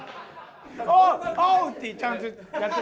「オウ！オウ！」ってちゃんとやってた。